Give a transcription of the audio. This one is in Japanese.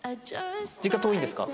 実家遠いんですか？